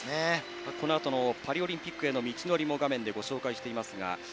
このあとのパリオリンピックへの道のりもご紹介しています。